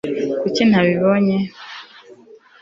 kuki ntabibonye